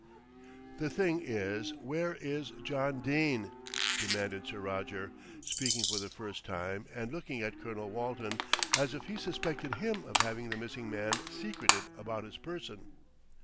"The thing is, where is John Dene?" demanded Sir Roger, speaking for the first time, and looking at Colonel Walton, as if he suspected him of having the missing man secreted about his person.